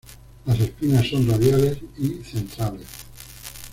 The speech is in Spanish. Las espinas son radiales y centrales.